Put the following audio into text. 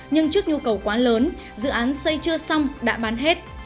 nhưng trước nhu cầu quá lớn dự án xây chưa xong đã bán hết